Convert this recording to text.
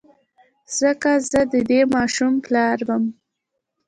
ځکه زه د دې ماشوم پلار وم.